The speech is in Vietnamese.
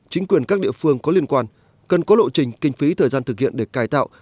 chính quyền các địa phương có liên quan cần có lộ trình kinh phí thời gian thực hiện để cải tạo